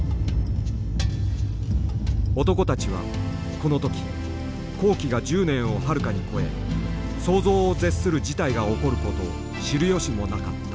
男たちはこの時工期が１０年をはるかに超え想像を絶する事態が起こることを知る由もなかった。